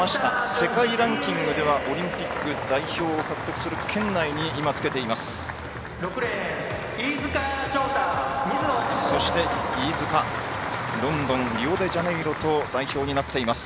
世界ランキングではオリンピック代表を獲得する圏内にいる山下です。